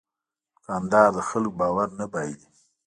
دوکاندار د خلکو باور نه بایلي.